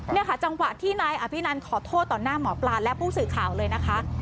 นี่ค่ะจังหวะที่นายอภินันขอโทษต่อหน้าหมอปลาและผู้สื่อข่าวเลยนะคะ